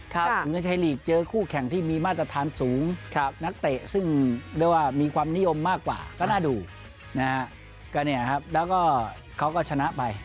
ครับในไทยลีกเจอคู่แข่งที่มีมาตรฐานสูงนักเตะซึ่งด้วยว่ามีความนิโยมมากกว่าก็น่าดูแล้วเขาก็ชนะไป